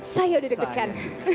saya sudah deg degan